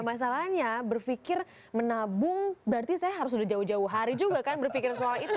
masalahnya berpikir menabung berarti saya harus sudah jauh jauh hari juga kan berpikir soal itu